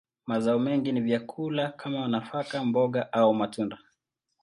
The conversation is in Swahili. Mazao mengi ni vyakula kama nafaka, mboga, au matunda.